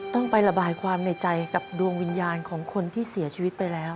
ต้องไประบายความในใจกับดวงวิญญาณของคนที่เสียชีวิตไปแล้ว